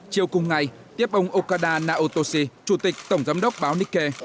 chiều cùng ngày tiếp ông okada naotoshi chủ tịch tổng giám đốc báo nikke